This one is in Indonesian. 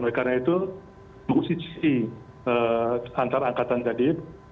oleh karena itu musisi antara angkatan tadi